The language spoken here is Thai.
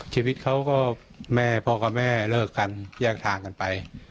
ชีวิตเขาก็แม่พ่อกับแม่เลิกกันแยกทางกันไป